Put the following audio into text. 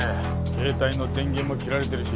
携帯の電源も切られてるし